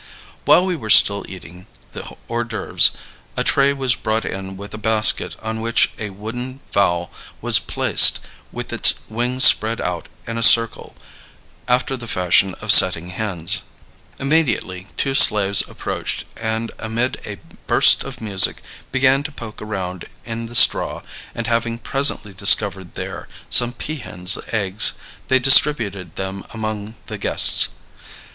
While we were still eating the hors d'oeuvres, a tray was brought in with a basket on which a wooden fowl was placed with its wings spread out in a circle after the fashion of setting hens. Immediately two slaves approached and amid a burst of music began to poke around in the straw, and having presently discovered there some pea hens' eggs, they distributed them among the guests.